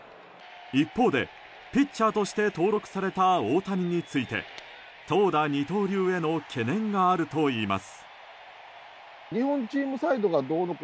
一方で、ピッチャーとして登録された大谷について投打二刀流への懸念があるといいます。